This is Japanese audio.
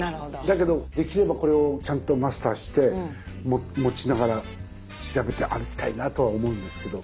だけどできればこれをちゃんとマスターして持ちながら調べて歩きたいなとは思うんですけど。